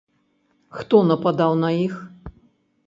Хто нападаў на іх?